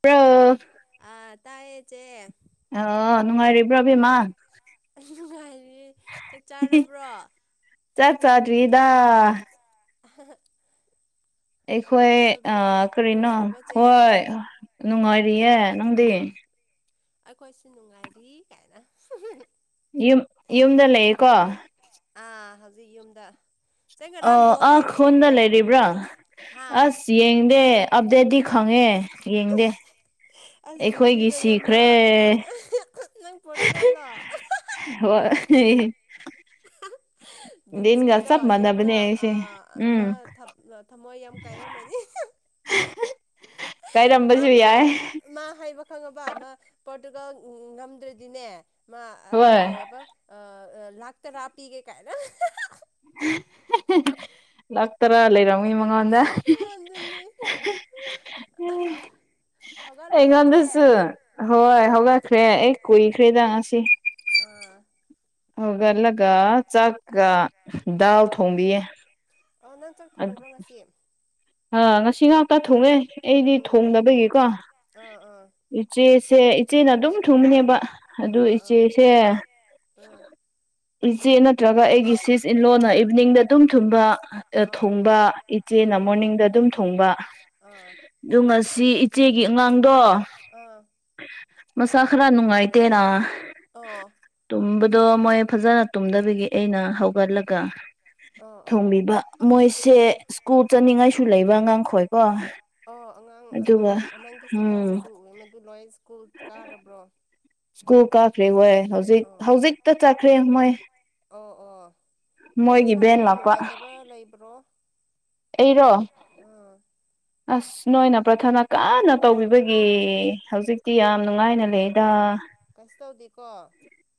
ꯄ꯭ꯔ ꯑꯂ ꯑ ꯇꯌꯦ ꯆꯦ ꯑꯣ ꯅꯨꯡꯉꯥꯏꯔꯤꯕ꯭ꯔꯣ ꯑꯕꯦꯝꯃꯥ ꯑꯩ ꯅꯨꯡꯉꯥꯏꯔꯤꯌꯦ ꯆꯥꯛ ꯆꯥꯗꯔꯤꯗꯥ ꯑꯍ ꯑꯩꯈꯣꯏ ꯑ ꯀꯔꯤꯅꯣ ꯅꯨꯡꯉꯥꯏꯔꯤꯕꯣ ꯆꯦ ꯍꯣꯏ ꯎꯝ ꯅꯨꯡꯉꯥꯏꯔꯤꯌꯦ ꯅꯪꯗꯤ ꯑꯩꯈꯣꯏꯁꯨ ꯅꯨꯡꯉꯥꯏꯔꯤ ꯀꯥꯏꯅ ꯌꯨꯝ ꯌꯨꯝꯗ ꯂꯩꯌꯦꯀꯣ ꯑꯥ ꯍꯧꯖꯤꯛ ꯌꯨꯝꯗ ꯆꯦ ꯑ ꯉꯔꯥꯡ ꯕꯣꯜ ꯑꯥ ꯌꯦꯡꯕ꯭ꯔꯣ ꯈꯨꯟꯗ ꯕꯣꯜ ꯂꯩꯔꯤꯕ꯭ꯔꯥ ꯍꯥ ꯑꯁ ꯌꯦꯡꯗꯦ ꯑꯞꯗꯦꯠꯇꯤ ꯈꯪꯉꯦ ꯌꯦꯡꯗꯦ ꯑꯁ ꯗꯤꯟ ꯑꯩꯈꯣꯏꯒꯤ ꯖꯨꯏꯗꯣ ꯌꯥꯝꯅ ꯁꯤꯈ꯭ꯔꯦ ꯅꯪ ꯄꯣꯔꯇꯨꯒꯥꯜꯂꯣ ꯍꯣꯢ ꯗꯤꯟꯒ ꯕꯤꯟꯆꯨꯏꯗꯣ ꯆꯞ ꯌꯥꯝꯅ ꯃꯥꯟꯅꯕꯅꯦ ꯑꯩꯁꯦ ꯑꯥ ꯎꯝ ꯑꯃ ꯊꯝꯃꯣꯏ ꯌꯥꯝ ꯀꯥꯏꯔꯝꯃꯅꯤ ꯃꯥ ꯀꯥꯏꯔꯝꯕꯁꯨ ꯌꯥꯏ ꯃꯥ ꯍꯩꯕ ꯈꯪꯉꯕ ꯃꯥ ꯄꯣꯔꯇꯨꯒꯜ ꯉꯝꯗ꯭ꯔꯗꯤꯅꯦ ꯃꯥ ꯍꯣꯏ ꯀꯩ ꯍꯥꯏꯕ ꯂꯥꯛ ꯇꯔꯥ ꯄꯤꯒꯦ ꯀꯥꯏꯅ ꯂꯥꯛ ꯇꯔꯥ ꯂꯩꯔꯝꯅꯤ ꯃꯉꯣꯟꯗ ꯑꯍ ꯑꯩꯉꯣꯟꯗꯁꯨ ꯍꯣꯏ ꯍꯧꯒꯠꯈ꯭ꯔꯦ ꯎꯝ ꯑꯩ ꯀꯨꯏꯈ꯭ꯔꯦꯗ ꯉꯁꯤ ꯑꯥ ꯍꯧꯒꯠꯂꯒ ꯆꯥꯛꯀ ꯗꯥꯜ ꯎꯝ ꯊꯣꯡꯕꯤꯌꯦ ꯑꯣ ꯅꯪ ꯆꯥꯛ ꯊꯣꯡꯕ꯭ꯔꯣ ꯉꯁꯤ ꯑꯥ ꯉꯁꯤ ꯉꯥꯛꯇ ꯊꯣꯡꯉꯦ ꯑꯩꯗꯤ ꯎꯝ ꯎꯝ ꯊꯣꯡꯗꯕꯒꯤꯀꯣ ꯑꯥ ꯑꯥ ꯏꯆꯦꯁꯦ ꯏꯆꯦꯅ ꯑꯗꯨꯝ ꯊꯨꯡꯃꯤꯅꯦꯕ ꯑꯗꯨ ꯑꯥ ꯏꯆꯦꯁꯦ ꯑꯥ ꯢꯆꯦꯅ ꯅꯠꯇ꯭ꯔꯒ ꯑꯩꯒꯤ ꯁꯤꯁ ꯏꯟꯂꯣꯟꯅ ꯏꯚꯤꯅꯤꯡꯗ ꯗꯨꯝ ꯊꯨꯝꯕ ꯑꯥ ꯑꯥ ꯊꯣꯡꯕ ꯏꯆꯦꯅ ꯑꯥ ꯃꯣꯔꯅꯤꯡ ꯗ ꯑꯗꯨꯝ ꯊꯣꯡꯕ ꯑꯥ ꯑꯗꯨ ꯉꯁꯤ ꯏꯆꯦꯒꯤ ꯑꯉꯥꯡꯗꯣ ꯑꯥ ꯃꯁꯥ ꯈꯔꯥ ꯅꯨꯡꯉꯥꯏꯇꯦꯅꯥ ꯑꯣ ꯇꯨꯝꯕꯗꯣ ꯃꯣꯏ ꯐꯖꯅ ꯇꯨꯝꯗꯕꯤꯒꯤ ꯑꯩꯅ ꯍꯧꯒꯠꯂꯒ ꯑꯣ ꯑꯣ ꯊꯣꯡꯕꯤꯕ ꯃꯣꯏꯁꯦ ꯁ꯭ꯀꯨꯜ ꯆꯠꯅꯤꯡꯉꯥꯏꯁꯨ ꯂꯩꯕ ꯑꯉꯥꯡꯈꯣꯏꯀꯣ ꯑꯣ ꯑꯉꯥꯡ ꯑꯗꯨꯒ ꯑꯥ ꯅꯉꯪꯒꯤ ꯎꯝ ꯏꯁꯇꯦꯇꯥꯁꯇꯁꯨ ꯎꯏ ꯃꯗꯨ ꯂꯣꯏ ꯁ꯭ꯀꯨꯜ ꯀꯥꯗꯕ꯭ꯔꯣ ꯁ꯭ꯀꯨꯜ ꯀꯥꯈ꯭ꯔꯦ ꯍꯣꯏ ꯍꯧꯖꯤꯛ ꯑꯣ ꯍꯧꯖꯤꯛꯇ ꯆꯠꯈ꯭ꯔꯦ ꯃꯣꯏ ꯑꯣ ꯑꯣ ꯁꯤ ꯃꯣꯏꯒꯤ ꯚꯦꯟ ꯅꯁꯥꯥꯗꯤ ꯂꯥꯛꯄ ꯅꯨꯡꯉꯥꯏꯇꯕ ꯂꯩꯕ꯭ꯔꯣ ꯑꯩꯔꯣ ꯑꯥ ꯑꯁ ꯅꯣꯏꯅ ꯄꯔꯊꯥꯅꯥ ꯀꯟꯅꯥ ꯇꯧꯕꯤꯕꯒꯤ ꯍꯧꯖꯤꯛꯇꯤ ꯌꯥꯝ ꯅꯨꯡꯉꯥꯏꯅ ꯂꯩꯗ꯫ ꯀꯩꯁꯨ ꯇꯧꯗꯦꯀꯣ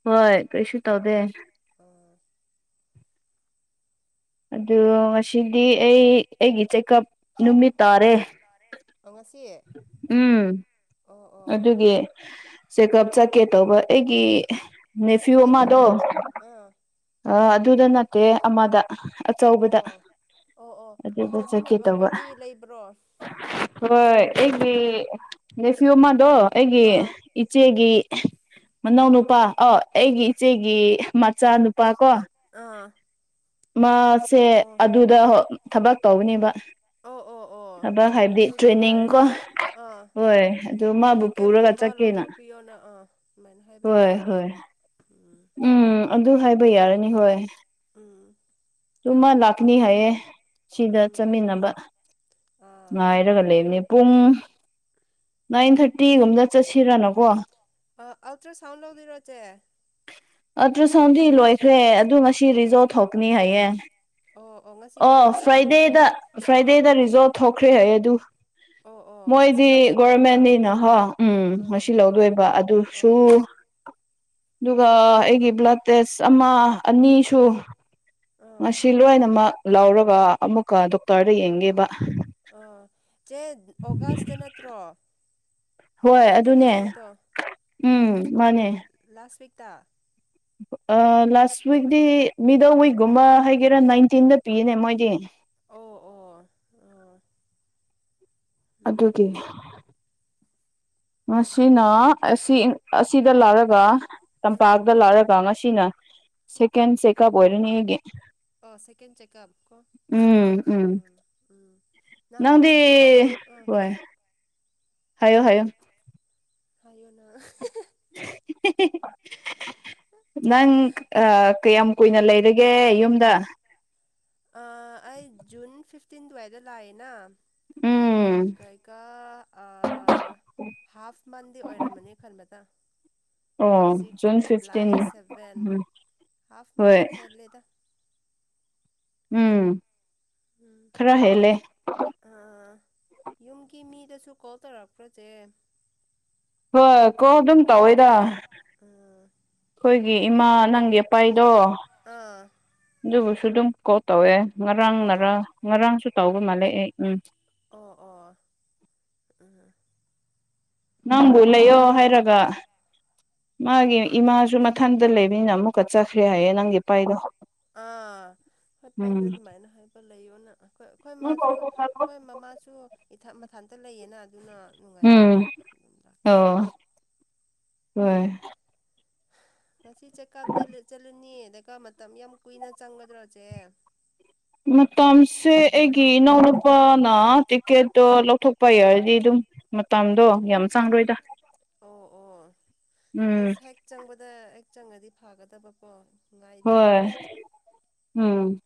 ꯍꯣꯏ ꯀꯩꯁꯨ ꯇꯧꯗꯦ ꯑ ꯑꯗꯨ ꯉꯁꯤꯗꯤ ꯑꯩ ꯑꯩꯒꯤ ꯆꯦꯛꯀꯞ ꯅꯨꯃꯤꯠ ꯇꯥꯔꯦ ꯇꯔꯦ ꯑꯣꯉꯁꯤ ꯎꯝ ꯑꯗꯨꯒꯤ ꯆꯦꯛꯀꯞ ꯆꯠ ꯀꯦ ꯇꯧꯕ ꯑꯩꯒꯤ ꯅꯦꯐꯤꯌꯨ ꯆꯅꯤ ꯑꯃꯗꯣ ꯑꯥ ꯑ ꯑꯗꯨꯗ ꯅꯠꯇꯦ ꯑꯃꯗ ꯑꯆꯧꯕꯗ ꯑꯣ ꯑꯣ ꯑꯣ ꯑꯗꯨꯗ ꯆꯠꯀꯦ ꯇꯧꯕ ꯆꯠꯃꯤꯟꯅꯕꯒꯗꯤ ꯂꯩꯕ꯭ꯔꯣ ꯍꯣꯏ ꯑꯩꯒꯤ ꯅꯦꯐꯤꯌꯨ ꯑꯃꯗꯣ ꯑꯩꯒꯤ ꯏꯆꯦꯒꯤ ꯃꯅꯥꯎꯅꯨꯄꯥ ꯑ ꯑꯩꯒꯤ ꯏꯆꯦꯒꯤ ꯃꯆꯥꯅꯨꯄꯥ ꯀꯣ ꯑꯥ ꯃꯥꯁꯦ ꯑꯣ ꯑꯣ ꯑꯗꯨꯗ ꯊꯕꯛ ꯇꯧꯕꯅꯦꯕ ꯑꯣ ꯑꯣ ꯑꯣ ꯊꯕꯛ ꯍꯥꯏꯕꯗꯤ ꯑꯗꯨꯗꯤ ꯇ꯭ꯔꯦꯅꯤꯡ ꯐꯔꯦ꯫ ꯀꯣ ꯑꯥ ꯍꯣꯏ ꯑꯗꯨ ꯃꯥꯕꯨ ꯄꯨꯔꯒ ꯇꯤꯀꯦꯠꯀꯨꯝꯕ ꯆꯠꯀꯦꯅ ꯂꯧꯊꯣꯛꯄꯤꯌꯣꯅ ꯑꯥ ꯗꯨꯃꯥꯏꯅ ꯍꯥꯏꯕ ꯍꯣꯏ ꯌꯥꯅꯤ꯫ ꯍꯣꯏ ꯎꯝ꯫ ꯎꯝ ꯑꯗꯨ ꯍꯥꯏꯕ ꯌꯥꯔꯅꯤ ꯍꯣꯏ ꯎꯝ꯫ ꯑꯗꯨꯨꯝ ꯃꯥ ꯂꯥꯛꯀꯅꯤ ꯍꯥꯏꯌꯦ ꯁꯤꯗ ꯎꯝ ꯆꯠꯃꯤꯟꯅꯕ꯫ ꯑꯥ ꯉꯥꯏꯔꯒ ꯂꯩꯕꯅꯦ ꯄꯨꯡ ꯅꯥꯏꯟ ꯊꯥꯔꯇꯤꯒꯨꯝꯗ ꯆꯠꯁꯤꯔꯅꯀꯣ꯫ ꯑ ꯑꯜꯇ꯭ꯔꯁꯥꯎꯟ ꯂꯧꯗꯣꯏꯔꯣ ꯆꯦ ꯑꯜꯇ꯭ꯔ ꯁꯥꯎꯟꯗꯤ ꯂꯣꯏꯈ꯭ꯔꯦ ꯑꯗꯨ ꯉꯁꯤ ꯑꯣ ꯔꯤꯖꯜ ꯊꯣꯛꯀꯅꯤ ꯍꯥꯏꯌꯦ꯫ ꯑꯣ ꯑꯣ꯫ ꯉꯁꯤ ꯔꯤꯖꯜ ꯑꯣ ꯊꯣꯛꯀꯅꯤ ꯍꯥꯏꯕ ꯐ꯭ꯔꯥꯏꯗꯦꯗ ꯐ꯭ꯔꯥꯏꯗꯦꯗ ꯔꯤꯖꯣꯜ ꯊꯣꯛꯈ꯭ꯔꯦ ꯑꯩ ꯑꯗꯨ ꯑꯣ ꯑꯣ ꯉꯁꯤ ꯃꯣꯏꯗꯤ ꯂꯧꯗꯣꯏꯕ ꯑꯗꯨꯒ ꯒꯣꯔꯃꯦꯟꯅꯤꯅꯍꯣ ꯎꯝ ꯑꯥ ꯉꯁꯤ ꯂꯧꯗꯣꯏꯕ ꯑꯣ ꯑꯗꯨꯁꯨꯝ ꯑꯗꯨꯒ ꯑꯩꯒꯤ ꯕ꯭ꯂꯗ ꯇꯦꯁ ꯑꯃ ꯑꯅꯤꯁꯨ ꯑꯥ ꯉꯁꯤ ꯂꯣꯏꯅꯃꯛ ꯂꯧꯔꯒ ꯑꯃꯨꯛꯀ ꯗꯣꯛꯇꯔꯗ ꯌꯦꯡꯒꯦꯕ ꯑꯥ ꯆꯦ ꯑꯣꯒꯁꯇ ꯅꯠꯇ꯭ꯔꯣ ꯍꯣꯏ ꯑꯗꯨꯅꯦ ꯗꯦꯂꯤꯚꯔꯤꯗꯣ ꯎꯝ ꯃꯥꯅꯦ ꯂꯥꯁ ꯋꯤꯛꯇ ꯑ ꯂꯥꯁ ꯋꯤꯛꯇꯤ ꯃꯤꯗꯜ ꯋꯤꯛꯒꯨꯝꯕ ꯍꯥꯏꯒꯦꯔꯥ ꯅꯥꯏꯟꯇꯤꯟꯗ ꯄꯤꯅꯦ ꯃꯣꯏꯗꯤ꯫ ꯑꯧ ꯑꯣ꯫ ꯑꯣ ꯑꯣ꯫ ꯎꯝ ꯑꯗꯨꯒꯤ ꯉꯁꯤꯅ ꯑꯁꯤ ꯑꯁꯤꯗ ꯂꯥꯛꯔꯒ ꯎꯝ ꯇꯝꯄꯥꯛꯇ ꯂꯥꯛꯔꯒ ꯉꯁꯤꯅ ꯁꯦꯀꯦꯟ ꯆꯦꯀꯞ ꯑꯣꯏꯔꯦꯅꯤ ꯑꯩꯒꯤ꯫ ꯑꯣ ꯁꯦꯀꯦꯟ ꯆꯦꯀꯞ ꯀꯣ ꯎꯝ ꯑ ꯎꯝ ꯎꯝ꯫ ꯅꯪꯗꯤ ꯅꯍꯥꯟꯁꯨꯣ ꯑ ꯍꯣꯏ ꯍꯥꯏꯌꯣ ꯍꯥꯏꯌꯣ꯫ ꯍꯥꯏꯌꯣꯅ ꯅꯪ ꯑꯥ꯫ ꯀꯌꯥꯝ ꯀꯨꯏꯅ ꯂꯩꯔꯒꯦ ꯌꯨꯝꯗ꯫ ꯑꯩ ꯖꯨꯟ ꯐꯤꯞꯇꯤꯟ ꯑꯗꯨꯋꯥꯏꯗ ꯂꯥꯛꯑꯦꯅ꯫ ꯎꯝ ꯀꯥꯏꯀꯥ ꯑ ꯍꯥꯐ ꯃꯟꯗꯤ ꯑꯣꯏꯔꯝꯃꯅꯤ ꯈꯟꯕꯗ꯫ ꯑꯣ ꯍꯧꯖꯤꯛ June July fifteen seven um half ꯃꯟ ꯍꯣꯏ ꯍꯦꯜꯂꯦꯗ ꯎꯝ ꯎꯝ꯫ ꯔ ꯍꯂꯦ ꯑꯥ ꯌꯨꯝꯒꯤ ꯃꯤꯗꯁꯨ ꯀꯣꯜ ꯇꯧꯔꯛꯄ꯭ꯔꯣ ꯆꯦ ꯍꯣꯏ ꯀꯣ ꯑꯗꯨꯝ ꯇꯧꯋꯦꯗ ꯑꯥ ꯑꯩꯈꯣꯏꯒꯤ ꯏꯃꯥ ꯅꯪꯒꯤ ꯑꯄꯥꯏꯗꯣ꯫ ꯑꯥ ꯑꯗꯨꯕꯨꯁꯨ ꯑꯗꯨꯝ ꯀꯣ ꯇꯧꯋꯦ ꯑꯥ ꯉꯔꯥꯡꯅꯔ ꯉꯔꯥꯡꯁꯨ ꯇꯧꯕ ꯃꯥꯜꯂꯦ ꯑꯩ ꯎꯝ꯫ ꯑꯣ ꯑꯣ ꯎꯝ꯫ ꯅꯪꯕꯨ ꯂꯩꯌꯣ ꯍꯥꯏꯔꯒ꯫ ꯃꯥꯒꯤ ꯏꯃꯥꯁꯨ ꯃꯊꯟꯇ ꯂꯩꯕꯅꯤꯅ ꯑꯃꯨꯛꯀ ꯆꯠꯈ꯭ꯔꯦ ꯍꯥꯏꯌꯦ ꯅꯪꯒꯤ ꯄꯥꯏꯕ꯫ ꯑꯥ ꯍꯣꯏ ꯄꯩꯅꯣ ꯑꯗꯨꯃꯥꯏꯅ ꯍꯥꯏꯕ ꯂꯩꯌꯣꯅ ꯑꯩꯈꯣꯏ ꯑꯩꯈꯣꯏ ꯎꯝ ꯃꯥꯁꯨ ꯑꯩꯈꯣꯏ ꯃꯃꯥꯁꯨ ꯏꯊ ꯃꯊꯥꯟꯇ ꯂꯩꯌꯦꯅ ꯑꯗꯨꯅ ꯅꯨꯡꯉꯥꯏꯇꯦꯅ [unintelligible] ꯑꯗꯨꯝ ꯑꯣ ꯂꯥꯛꯈ꯭ꯔꯦ꯫ ꯍꯣꯏ ꯉꯁꯤ ꯆꯦꯛꯑꯞꯇ ꯆꯠꯂꯨꯅꯤ ꯑꯗꯨꯒ ꯃꯇꯝ ꯌꯥꯝ ꯀꯨꯏꯅ ꯆꯪꯒꯗ꯭ꯔꯣꯁꯦ ꯃꯇꯝꯁꯦ ꯑꯩꯒꯤ ꯏꯅꯥꯎꯅꯨꯄꯥꯅ ꯇꯤꯛꯀꯦꯠꯇꯣ ꯂꯧꯊꯣꯛꯄ ꯌꯥꯔꯗꯤ ꯑꯗꯨꯝ ꯃꯇꯝꯗꯣ ꯌꯥꯝ ꯎꯝ ꯆꯥꯡꯔꯣꯏꯗ ꯑꯣ ꯑꯣ ꯎꯝ ꯑꯁ ꯍꯦꯛ ꯆꯪꯕꯗ ꯍꯦꯛ ꯆꯪꯉꯗꯤ ꯐꯥꯒꯗꯕꯀꯣ ꯍꯣꯏ ꯎꯝ꯫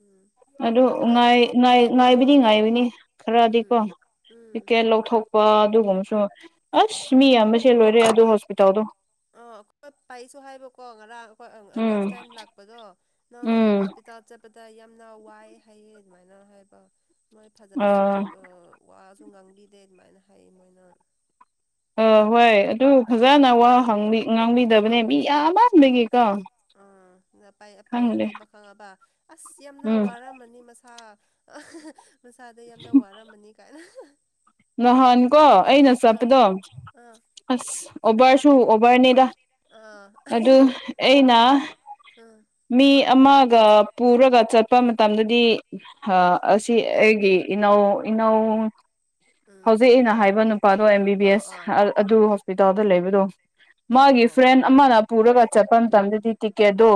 ꯎꯝ꯫ ꯑꯗꯨ ꯍꯣꯏ ꯉꯥꯏꯕꯅꯤ ꯉꯥꯏꯕꯅꯤ ꯈꯔꯗꯤꯀꯣ ꯎꯝ ꯎꯝ ꯇꯤꯀꯦꯠ ꯂꯧꯊꯣꯛ ꯋꯥ ꯑꯗꯨꯒꯨꯝꯕꯁꯨ ꯑꯁ ꯃꯤ ꯌꯥꯝꯕꯁꯤ ꯂꯣꯏꯔꯦ ꯑꯗꯣ ꯍꯣꯁꯄꯤꯇꯥꯜꯗꯣ꯫ ꯑ ꯑꯩꯈꯣꯏ ꯄꯥꯏꯁꯨ ꯍꯥꯏꯕꯀꯣ ꯉꯔꯥꯡ ꯑꯩꯈꯣꯏ ꯎꯝ ꯂꯥꯁ ꯇꯥꯏꯝ ꯂꯥꯛꯄꯗꯣ꯫ ꯅꯪ ꯎꯝ ꯍꯣꯁꯄꯤꯇꯥꯜ ꯆꯠꯄꯗ ꯌꯥꯝꯅ ꯋꯥꯏ ꯍꯥꯏꯌꯦ ꯑꯗꯨꯃꯥꯏꯅ ꯍꯥꯏꯕ ꯃꯣꯏ ꯐꯖꯅꯁꯨ ꯑꯥ ꯋꯥꯁꯨ ꯉꯥꯡꯕꯤꯗꯦ ꯑꯗꯨꯃꯥꯏꯅ ꯍꯥꯏ ꯃꯣꯏꯅ ꯑ ꯍꯣꯏ ꯑꯗꯨ ꯐꯖꯅ ꯋꯥ ꯉꯥꯡꯕꯤꯗꯕꯅꯦ ꯃꯤ ꯌꯥꯝꯃꯗꯒꯤꯀꯣ ꯎꯝ ꯑꯄꯥꯏꯅ ꯍꯥꯏꯕ ꯈꯪꯉꯕ ꯑꯁ ꯌꯥꯝꯅ ꯎꯝ ꯋꯥꯔꯝꯃꯅꯤ ꯃꯁꯥ ꯍꯥ ꯃꯁꯥꯗꯣ ꯌꯥꯝꯅ ꯋꯥꯔꯝꯃꯅꯤ ꯀꯥꯏꯅ꯫ ꯅꯍꯥꯟ ꯀꯣ ꯑꯩꯅ ꯑꯥ ꯆꯄꯗꯣ ꯑꯥ꯫ ꯑꯁ ꯑꯣꯕꯔꯁꯨ ꯑꯣꯕꯔꯅꯤꯗ ꯑꯥ ꯑꯗꯨ ꯑꯩꯅ꯫ ꯎꯝ ꯃꯤ ꯑꯃꯒ ꯄꯨꯔꯒ ꯆꯠꯄ ꯃꯇꯝꯗꯗꯤ ꯑꯁꯤ ꯑꯩꯒꯤ ꯏꯅꯥꯎ ꯏꯅꯎ ꯎꯝ ꯍꯧꯖꯤꯛ ꯑꯩꯅ ꯍꯥꯏꯕ ꯅꯨꯄꯥꯗꯣ ꯑꯦꯝ ꯕꯤ ꯕꯤ ꯑꯣ ꯑꯦꯁ ꯑꯣ ꯑꯗꯨ ꯍꯣꯁꯄꯤꯇꯥꯜꯗ ꯂꯩꯕꯗꯣ ꯑꯣ ꯃꯥꯒꯤ ꯑꯣ ꯐ꯭ꯔꯦꯟ ꯑꯃꯅ ꯄꯨꯔꯒ ꯆꯠꯄ ꯃꯇꯝꯗꯗꯤ ꯇꯤꯀꯦꯠꯇꯣ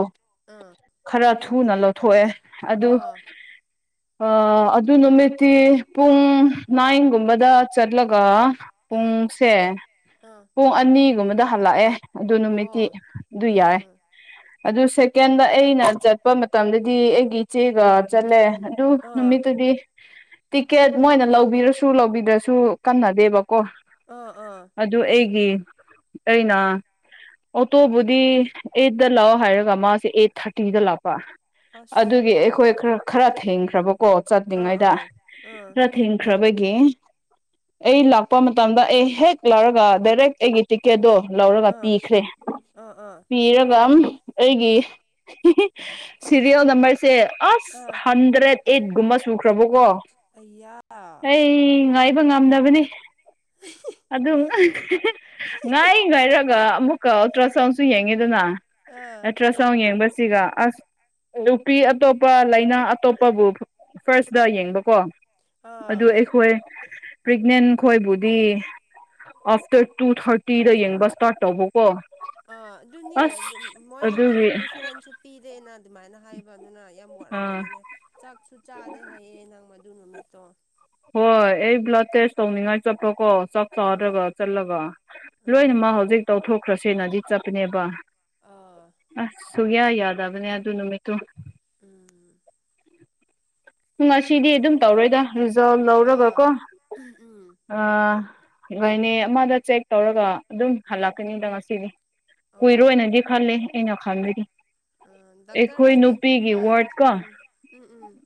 ꯑꯥ ꯈꯔ ꯊꯨꯅ ꯂꯧꯊꯣꯛꯑꯦ ꯑꯗꯨ ꯑ ꯑꯗꯨ ꯅꯨꯃꯤꯠꯇꯤ ꯄꯨꯡ ꯅꯥꯏꯟꯒꯨꯝꯕ ꯗ ꯆꯠꯂꯒ ꯑꯥ ꯑꯥ ꯄꯨꯡꯁꯦ ꯑꯥ ꯄꯨꯡ ꯑꯅꯤꯒꯨꯝꯕꯗ ꯍꯜꯂꯛꯑꯦ ꯑꯗꯨ ꯅꯨꯃꯤꯠꯇ ꯑꯣ ꯑꯗꯨ ꯎꯝ ꯌꯥꯏ ꯎꯝ ꯑꯗꯨ ꯁꯦꯀꯦꯟꯗ ꯑꯩꯅ ꯆꯠꯄ ꯃꯇꯝꯗꯗꯤ ꯑꯩꯒꯤ ꯏꯆꯦꯒ ꯆꯠꯂꯦ꯫ ꯑꯗꯨ ꯑꯥ ꯅꯨꯃꯤꯠꯇꯨꯗꯤ ꯇꯤꯛꯀꯦꯠ ꯃꯣꯏꯅ ꯂꯧꯕꯤꯔꯁꯨ ꯂꯧꯕꯤꯗ꯭ꯔꯁꯨ ꯀꯟꯅꯗꯦꯕꯀꯣ [unintelligible] ꯑꯣ ꯑꯣ꯫ ꯑꯗꯨ ꯑꯩꯒꯤ ꯑꯩꯅ ꯑꯣꯇꯣꯕꯨꯗꯤ ꯑꯥꯏꯠꯇ ꯂꯥꯛꯑꯣ ꯍꯥꯏꯔꯒ ꯃꯥꯁꯦ ꯑꯩꯠ ꯊꯥꯔꯇꯤꯗ ꯂꯥꯛꯄ꯫ ꯑꯗꯨꯒꯤ ꯑꯁ ꯑꯩꯈꯣꯏ ꯈꯔ ꯈꯔ ꯊꯦꯡꯈ꯭ꯔꯕꯀꯣ ꯑꯥ ꯆꯠꯇꯂꯤꯉꯩꯗ ꯑꯥ ꯑꯥ ꯊꯤꯡ ꯈ꯭ꯔꯕꯒꯤ ꯑꯩ ꯂꯥꯛꯄ ꯃꯇꯝꯗ ꯑꯩ ꯍꯦꯛ ꯂꯧꯔꯒ ꯗꯥꯏꯔꯦꯛ ꯑꯩꯒꯤ ꯇꯤꯀꯦꯠꯇꯣ ꯂꯧꯔꯒ ꯑꯥ ꯑꯥ ꯄꯤꯈ꯭ꯔꯦ ꯑꯥ ꯑꯥ ꯄꯤꯔꯒ ꯑꯩꯒꯤ꯫ ꯁꯤꯦꯔꯤꯌꯦꯜ ꯅꯝꯕꯔꯁꯦ ꯑꯁ ꯑꯥ ꯍꯟꯗ꯭ꯔꯦꯗ ꯑꯩꯠꯒꯨꯝꯕ ꯁꯨꯈ꯭ꯔꯕꯣꯀꯣ ꯑꯌꯥ ꯑꯥ ꯑꯩ ꯉꯥꯏꯕ ꯉꯝꯗꯕꯅꯤ ꯑꯗꯨꯝ ꯉꯥꯏ ꯉꯥꯏꯔꯒ ꯑꯃꯨꯛꯀ ꯑꯣꯜꯇ꯭ꯔ ꯁꯥꯎꯟꯁꯨ ꯌꯦꯡꯉꯤꯗꯅꯇ꯭ꯔ ꯆꯧ ꯌꯦꯡꯕꯁꯤꯒ ꯑꯁ ꯅꯨꯄꯤ ꯑꯇꯣꯞꯄ ꯂꯩꯥꯏꯅꯥ ꯑꯇꯣꯞꯄꯕꯨ ꯐꯥꯔꯁꯇ ꯌꯦꯡꯕꯀꯣ ꯑꯥ ꯑꯗꯨ ꯑꯩꯈꯣꯏ ꯄ꯭ꯔꯦꯛꯅꯦꯟ ꯈꯣꯏꯕꯨꯗꯤ ꯑꯥꯞꯇꯔ ꯇꯨ ꯊꯥꯔꯇꯤꯗ ꯌꯦꯡ ꯑꯥ ꯑꯗꯨꯅꯤ ꯑꯁ ꯑꯗꯨ ꯃꯣꯏꯅ ꯍꯥꯏꯕ ꯑꯗꯨꯒꯤ ꯄ꯭ꯔꯤꯐꯔꯦꯟꯁ ꯄꯤꯔꯦꯅ ꯑꯗꯨꯃꯥꯏꯅ ꯍꯥꯏꯕ ꯑꯗꯨꯅ ꯌꯥꯝ ꯑꯥ ꯋꯥꯔꯝꯃꯅꯤꯅ꯫ ꯆꯥꯛꯁꯨ ꯆꯥꯗꯦ ꯍꯥꯏꯌꯦ ꯅꯪ ꯃꯗꯨ ꯅꯨꯃꯤꯠꯇꯣ꯫ ꯍꯣꯏ ꯑꯩ ꯕ꯭ꯂꯗ ꯇꯦꯁ ꯇꯧꯅꯤꯡꯉꯥꯏ ꯆꯠꯄ꯭ꯔꯣꯀꯣ ꯆꯥꯛ ꯆꯥꯔꯒ ꯑꯥ ꯆꯠꯂꯒ ꯂꯣꯏꯅ ꯑꯥ ꯃꯛ ꯍꯧꯖꯤꯛ ꯇꯧꯊꯣꯛꯈ꯭ꯔꯁꯦꯅꯗꯤ ꯆꯠꯄꯅꯦꯕ꯫ ꯑꯥ ꯑꯁ ꯁꯨꯌꯥ ꯌꯥꯗꯕꯅꯦ ꯑꯗꯨ ꯅꯨꯃꯤꯠꯇꯨ꯫ ꯎꯝ ꯉꯁꯤꯗꯤ ꯑꯗꯨꯝ ꯈꯪꯗꯦ ꯇꯧꯔꯣꯏꯗ ꯔꯤꯖꯥꯜ ꯑꯥ ꯂꯧꯔꯒꯀꯣ ꯎꯝ ꯎꯝ ꯑ ꯏꯣꯏꯅꯦ ꯑꯃꯗ ꯆꯦꯛ ꯇꯧꯔꯒ ꯑꯗꯨꯝ ꯎꯝ ꯍꯜꯂꯛꯀꯅꯤꯗ ꯉꯁꯤꯗꯤ ꯑꯣ ꯑꯣ ꯀꯨꯏꯔꯣꯏꯅꯗꯤ ꯈꯜꯂꯦ ꯑꯩꯅ ꯈꯪꯕꯗꯤ ꯑꯥ ꯗꯥꯛꯇꯔ ꯑꯩꯈꯣꯏ ꯍꯥꯏꯗꯤ ꯅꯨꯄꯤꯒꯤ ꯑꯥ ꯋꯥꯔꯗꯀ ꯎꯝ ꯎꯝ ꯎꯝ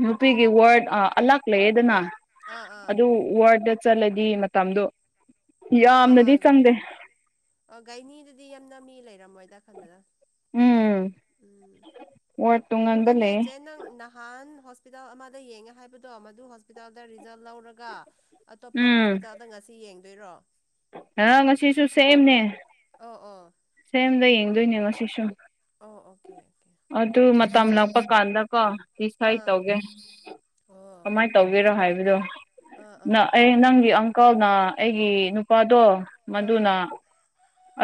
ꯅꯨꯄꯤꯒꯤ ꯋꯥꯔꯗ ꯑꯂꯥꯛ ꯂꯩꯌꯦꯗꯅ ꯑꯥ ꯑꯥ ꯑꯗꯨ ꯋꯥꯔꯗ ꯆꯠꯂꯗꯤ ꯃꯇꯝꯗꯣ ꯑꯥ ꯑꯥ ꯌꯥꯝꯅꯗꯤ ꯆꯪꯗꯦ ꯑꯥ ꯒꯥꯥꯏꯅꯤꯗꯨꯗꯤ ꯌꯥꯝꯅ ꯃꯤ ꯂꯩꯔꯝꯃꯣꯏꯗ ꯈꯟꯕꯗ ꯎꯝ ꯎꯝ ꯋꯥꯔꯗ ꯅ ꯀ ꯇꯣꯉꯥꯟꯕ ꯂꯩꯌꯦ ꯆꯟꯅ ꯅꯍꯥꯟ ꯍꯣꯁꯄꯤꯇꯥꯜ ꯑꯃꯗ ꯌꯦꯡꯉꯦ ꯍꯥꯏꯕꯗꯣ ꯃꯗꯨ ꯍꯣꯁꯄꯤꯇꯥꯜꯗ ꯔꯤꯖꯜ ꯂꯧꯔꯒ ꯑꯇꯣꯞꯄ ꯍꯣꯁꯄꯤꯇꯥꯜꯗ ꯉꯁꯤ ꯌꯦꯡꯗꯣꯏꯔꯣ ꯑ ꯉꯁꯤꯁꯨ ꯁꯦꯝꯅꯦ ꯑꯣ ꯑꯣ ꯁꯦꯝꯗ ꯌꯦꯡꯗꯣꯏꯅꯦ ꯉꯁꯤꯁꯨ ꯑꯣ ꯑꯣꯀꯦ ꯑꯣꯀꯦ ꯑꯗꯨ ꯃꯇꯝ ꯂꯥꯛꯄ ꯀꯥꯟꯗꯀꯣ ꯁꯥꯏ ꯑꯥ ꯇꯧꯒꯦ ꯑꯣ ꯀꯃꯥꯏꯅ ꯇꯧꯒꯦꯔꯣ ꯍꯥꯏꯕꯗꯣ ꯑꯥ ꯅ ꯑꯥ ꯑꯩ ꯅꯪꯒꯤ ꯑꯀꯥꯎꯅ ꯑꯩꯒꯤ ꯅꯨꯄꯥꯗꯣ ꯑꯥ ꯃꯗꯨꯅ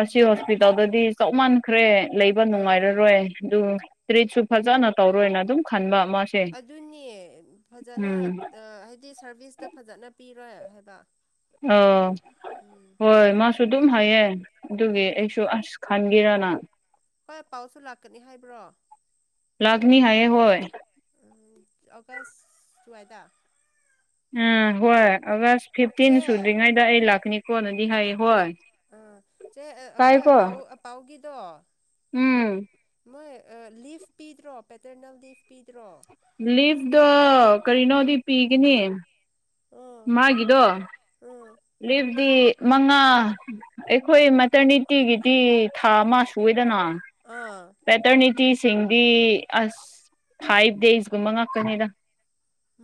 ꯑꯁꯤ ꯍꯣꯁꯄꯤꯇꯥꯜꯗꯗꯤ ꯆꯞ ꯃꯥꯟꯈ꯭ꯔꯦ ꯂꯩꯕ ꯑꯥ ꯅꯨꯡꯉꯥꯏꯔꯔꯣꯏ ꯑꯗꯨ ꯇ꯭ꯔꯤꯠꯁꯨ ꯐꯖꯅ ꯇꯧꯔꯣꯏꯅ ꯑꯗꯨꯝ ꯈꯟꯕ ꯑꯃ ꯑꯗꯨꯅꯦ ꯐꯖꯅ ꯍꯥꯏꯗꯤ ꯁꯥꯔꯚꯤꯁꯇ ꯐꯖꯅ ꯄꯤꯔꯣꯏ ꯍꯥꯏꯕ ꯑꯥ ꯎꯝ ꯍꯣꯏ ꯃꯥꯁꯨ ꯑꯗꯨꯝ ꯍꯥꯏꯌꯦ ꯑꯗꯨꯒꯤ ꯎꯝ ꯑꯩꯁꯨ ꯑꯁ ꯈꯟꯒꯔꯅ ꯍꯣꯏ ꯄꯥꯎꯁꯨ ꯂꯥꯛꯀꯅꯤ ꯍꯥꯏꯕ꯭ꯔꯣ ꯂꯒꯅꯤ ꯍꯥꯏꯌꯦ ꯍꯣꯏ ꯑꯣꯒꯁ ꯆꯋꯥꯏꯦꯗꯥ ꯑꯝ ꯍꯣꯏ ꯑꯥꯒꯁ ꯐꯤꯐꯇꯤꯟ ꯆꯦ ꯁꯨꯗ꯭ꯔꯤꯉꯩꯗ ꯑꯩ ꯂꯥꯛꯀꯅꯤꯀꯣꯅꯗꯤ ꯍꯥꯏ ꯍꯣꯏ ꯑꯥ ꯁꯦ ꯑꯩꯈꯣꯏ ꯇꯥꯏꯀꯣ ꯄꯥꯎ ꯄꯥꯎꯒꯤꯗꯣ ꯎꯝ ꯃꯣꯏ ꯂꯤꯐ ꯄꯤꯗ꯭ꯔꯣ ꯄꯦꯇꯔꯅꯦꯜ ꯂꯤꯐ ꯄꯤꯗ꯭ꯔꯣ ꯂꯤꯐꯇꯣ ꯀꯔꯤꯅꯣꯗꯤ ꯄꯤꯒꯅꯤ ꯑꯣ ꯑꯥ ꯂꯤꯞꯗꯤ ꯃꯉꯥ ꯑꯩꯈꯣꯏ ꯃꯇꯔꯅꯤꯇꯤꯒꯤꯗꯤ ꯊꯥ ꯑꯃ ꯁꯨꯋꯦꯗꯅ ꯑꯥ ꯄꯦꯇꯔꯅꯤꯇꯤꯁꯤꯡꯗꯤ ꯑꯁ ꯐꯥꯏꯚ ꯗꯦꯖꯀꯨꯝꯕ ꯉꯥꯛꯀꯅꯤꯗ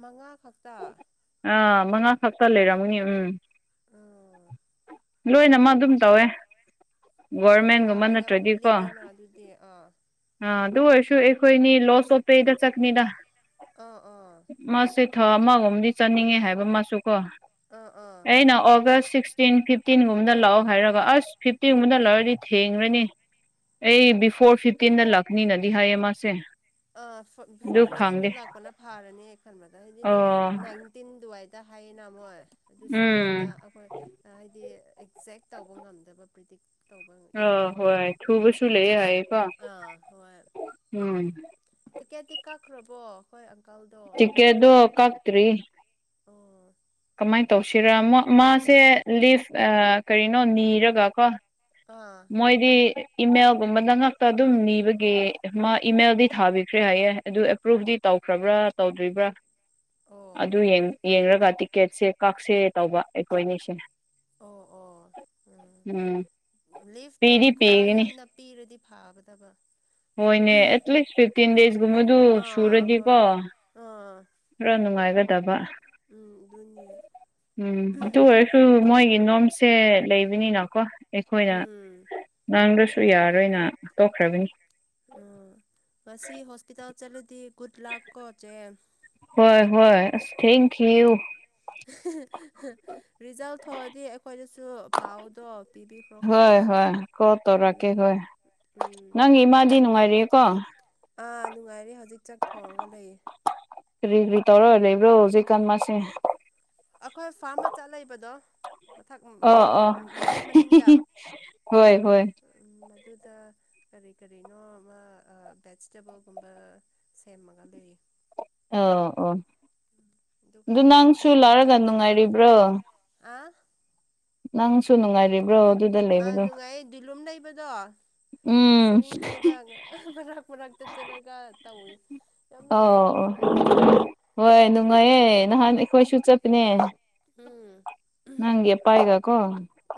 ꯃꯉꯥ ꯈꯛꯇ ꯑꯥ ꯃꯉꯥ ꯈꯛꯇ ꯂꯩꯔꯝꯅꯤ ꯎꯝ ꯑꯥ ꯂꯣꯏꯅꯃꯛ ꯑꯗꯨꯝ ꯇꯧꯋꯦ ꯌꯥ ꯒꯣꯔꯃꯦꯟꯒꯨꯝꯕ ꯌꯥꯝ ꯅꯠꯇ꯭ꯔꯗꯤꯀꯣ ꯂꯤꯛꯑꯦꯅ ꯑꯗꯨꯗꯤ ꯑꯥ ꯑꯥ ꯑꯗꯨ ꯑꯣꯏꯔꯁꯨ ꯑꯩꯈꯣꯏꯅꯤ ꯂꯣꯁ ꯑꯣꯣꯞꯄꯩꯗ ꯆꯠꯅꯤꯗ ꯑꯥ ꯑꯥ ꯃꯥꯁꯦ ꯊꯥ ꯑꯃꯒꯨꯝꯝꯗꯤ ꯆꯠꯅꯤꯡꯉꯦ ꯍꯥꯏꯕ ꯃꯆꯨꯀꯣ ꯑꯥ ꯑꯥ ꯑꯩꯅ ꯑꯣꯒꯁ ꯁꯤꯛꯁ ꯇꯦꯟ ꯐꯤꯐꯇꯤꯟꯒꯨꯝꯕꯗ ꯂꯥꯛꯑꯣ ꯍꯥꯏꯔꯒ ꯑꯁ ꯐꯤꯞꯇꯤꯟꯒꯨꯝꯕꯗ ꯂꯥꯛꯔꯗꯤ ꯊꯦꯡꯈ꯭ꯔꯅꯤ ꯑꯩ ꯕꯤꯐꯣꯔ ꯐꯤꯐꯇꯤꯟꯗ ꯂꯥꯛꯅꯤꯅꯗꯤ ꯍꯥꯏꯌꯦ ꯃꯥꯁꯦ ꯑ ꯕꯤꯐꯣꯔ ꯑꯗꯨ ꯐꯤꯐꯇꯤꯟꯗ ꯈꯪꯗꯦ ꯂꯥꯛꯄꯅ ꯐꯥꯔꯅꯤ ꯈꯟꯕꯗ ꯍꯥꯏꯗꯤ ꯅꯪ ꯑꯣ ꯅꯥꯏ ꯇꯤꯟꯗꯨꯋꯥꯏꯗ ꯍꯥꯏꯌꯦꯅ ꯃꯣꯏ ꯑꯗꯨꯁꯨ ꯎꯝ ꯌꯥꯝꯅ ꯑꯩꯈꯣꯏ ꯍꯥꯏꯗꯤ ꯑꯦꯛꯖꯦꯛ ꯇꯧꯕ ꯉꯝꯗꯕ ꯄ꯭ꯔꯤꯗꯤꯛ ꯇꯧꯕ ꯑ ꯌꯥꯗꯦꯅ ꯍꯣꯏ ꯊꯨꯕꯁꯨ ꯂꯩꯌꯦ ꯍꯥꯏꯌꯦꯀꯣ ꯑꯥ ꯍꯣꯏ ꯎꯝ ꯇꯤꯛꯀꯦꯠꯇꯤ ꯀꯛꯈ꯭ꯔꯕꯣ ꯍꯣꯏ ꯑꯪꯀꯜꯗꯣ ꯀꯦ ꯑꯗꯨ ꯀꯥꯛꯇꯔꯤ ꯑꯣ ꯀꯃꯥꯏꯅ ꯇꯧꯁꯤꯔ ꯃꯥꯁꯦ ꯂꯤꯐ ꯀꯔꯤꯅꯣ ꯅꯤꯔꯒ ꯀꯣ ꯑ ꯃꯣꯏꯗꯤ ꯏꯃꯦꯜꯒꯨꯝꯕ ꯅꯉꯥꯛꯛꯇ ꯑꯗꯨꯝ ꯅꯤꯕꯒꯤ ꯃꯥ ꯏꯃꯦꯜꯗꯤ ꯊꯥꯕꯤꯈ꯭ꯔꯦ ꯍꯥꯏꯌꯦꯦ ꯑꯗꯨ ꯑꯦꯄ꯭ꯔꯨꯚꯗꯤ ꯇꯧꯈ꯭ꯔꯕ꯭ꯔꯥ ꯇꯧꯗ꯭ꯔꯤꯕ꯭ꯔꯥ ꯑꯣ ꯑꯗꯨ ꯌꯦꯡꯂꯡꯒ ꯇꯤꯛꯀꯦꯠꯁꯦ ꯀꯛꯁꯦ ꯇꯧꯕ ꯑꯩꯈꯣꯏꯅꯤ ꯁꯤꯅꯦ ꯑꯣ ꯑꯣ ꯎꯝ ꯂꯤꯐꯇꯣ ꯄꯤꯗꯤ ꯈꯔ ꯄꯤꯒꯅꯤ ꯌꯥꯝꯅ ꯄꯤꯔꯗꯤ ꯐꯥꯕꯗꯕ ꯍꯣꯏꯅꯦ ꯑꯦꯠꯂꯤꯁ ꯐꯤꯐꯇꯤꯟ ꯗꯦꯖꯀꯨꯝꯕꯗꯨ ꯑꯥ ꯍꯣꯏ ꯁꯨꯔꯗꯤꯀꯣ ꯑꯥ ꯄꯨꯔ ꯅꯨꯡꯉꯥꯏꯒꯗꯕ ꯎꯝ ꯑꯗꯨꯅꯤ ꯎꯝ ꯑꯗꯨ ꯑꯣꯏꯔꯁꯨ ꯃꯣꯏꯒꯤ ꯅꯣꯝꯁꯦ ꯂꯩꯕꯅꯤꯅꯀꯣ ꯑꯩꯈꯣꯏꯅ ꯎꯝ ꯉꯥꯡꯗ꯭ꯔꯁꯨ ꯌꯥꯔꯔꯣꯏꯅ ꯇꯣꯛꯈ꯭ꯔꯕꯅꯤ ꯑꯣ ꯉꯁꯤ ꯍꯣꯁꯄꯤꯇꯥꯜ ꯆꯠꯂꯗꯤ ꯒꯨꯗ ꯂꯥꯛ ꯀꯣꯆꯦ ꯍꯣꯏ ꯍꯣꯏ ꯑꯁ ꯊꯦꯡꯀ ꯌꯌꯨ ꯎꯝ ꯔꯤꯖꯜ ꯊꯣꯛꯑꯗꯤ ꯑꯩꯈꯣꯏꯗꯁꯨ ꯄꯥꯎꯗꯣ ꯄꯤꯕꯤꯈ꯭ꯔꯣ ꯍꯣꯏ ꯈꯪꯉꯕ ꯍꯣꯏ ꯀꯣꯜ ꯇꯧꯔꯛꯀꯦ ꯎꯝ ꯍꯣꯏ ꯎꯝ ꯅꯪꯒꯤ ꯏꯃꯥꯗꯤ ꯅꯨꯡꯉꯥꯏꯔꯑꯦꯀꯣ ꯑꯥ ꯅꯨꯡꯉꯥꯏꯔꯦ ꯍꯧꯖꯤꯛ ꯆꯥꯛ ꯊꯣꯡꯉꯒ ꯂꯩꯌꯦ ꯀꯔꯤ ꯀꯔꯤ ꯇꯧꯔ ꯂꯩꯕ꯭ꯔꯣ ꯍꯧꯖꯤꯛ ꯀꯥꯟ ꯃꯥꯁꯦ ꯑꯩꯈꯣꯏ ꯐꯥꯔꯝ ꯃꯆꯥꯠ ꯂꯩꯕꯗꯣ ꯃꯊꯛ ꯑꯣ ꯑꯣ ꯌꯨꯝ ꯃꯅꯤꯡꯗ ꯍꯣꯏ ꯍꯣꯏ ꯃꯗꯨꯗ ꯀꯔꯤ ꯀꯔꯤꯅꯣ ꯑꯃ ꯚꯦꯖꯤꯇꯦꯕꯜꯒꯨꯝꯕ ꯁꯦꯝꯃꯒ ꯂꯩ ꯑ ꯑꯣ ꯑꯗꯨꯒ ꯑꯗꯨ ꯍꯧꯖꯤꯛꯇꯤ ꯅꯪꯁꯨ ꯆꯥꯛ ꯂꯥꯛꯔꯒ ꯊꯣꯡꯉꯒ ꯂꯩ ꯅꯨꯡꯉꯥꯏꯔꯤꯕ꯭ꯔꯣ ꯑꯥ ꯅꯪꯁꯨꯨꯅꯥꯏꯔꯤ ꯑꯥ ꯅꯨꯡꯉꯥꯏꯌꯦ ꯗꯤꯂꯨꯝ ꯂꯩꯕꯗꯣ ꯎꯝ ꯁ꯭ꯋꯤꯃꯤꯡ ꯄꯨꯜꯗ ꯃꯔꯛ ꯃꯔꯛꯇ ꯆꯠꯂꯒ ꯇꯧ ꯏ ꯑ ꯑꯣ ꯍꯣꯏ ꯅꯨꯡꯉꯥꯏꯌꯦ ꯅꯍꯥꯟ ꯑꯩꯈꯣꯏꯁꯨ ꯆꯠꯄꯅꯦ ꯎꯝ ꯅꯪ ꯌꯦꯄꯥꯏꯒꯀꯣ